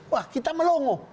wah kita melongo